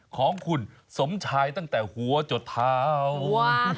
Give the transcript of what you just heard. ของคุณสมชายตั้งแต่หัวจดเท้า